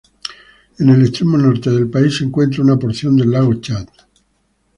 En el extremo norte del país se encuentra una porción del lago Chad.